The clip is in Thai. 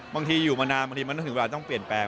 บางทีอยู่มานานบางทีมันต้องถึงเวลาต้องเปลี่ยนแปลง